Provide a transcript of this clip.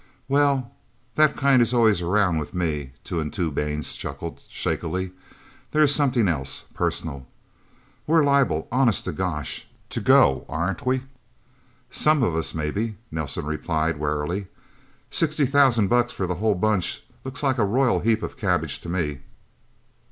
"Well that kind is always around with me," Two and Two Baines chuckled shakily. "This is something else personal. We're liable honest to gosh to go, aren't we?" "Some of us, maybe," Nelsen replied warily. "Sixty thousand bucks for the whole Bunch looks like a royal heap of cabbage to me."